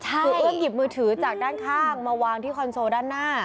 คือเอื้อมหยิบมือถือจากด้านข้างมาวางที่คอนโซลด้านหน้า